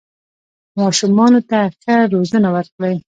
ماشومانو ته ښه روزنه ورکړئ